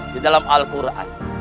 di dalam al quran